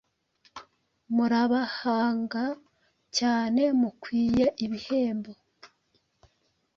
murabahanga cyane mukwiye ibihembo